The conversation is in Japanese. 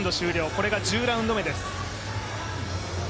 これが１０ラウンド目です。